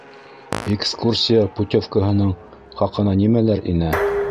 Экскурсия путевкаһының хаҡына нимәләр инә?